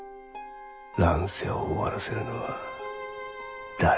乱世を終わらせるのは誰じゃ。